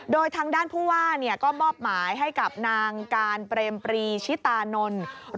โดยทางด้านผู้ว่าก็มอบหมายให้กับนางการเปรมปรีชิตานนท์